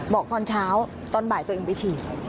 บอกตอนเช้าตอนบ่ายตัวเองไปฉีด